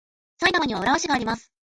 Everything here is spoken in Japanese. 埼玉には浦和市があります。